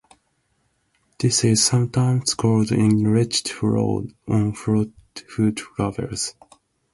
This is sometimes called "Enriched Flour" on food labels.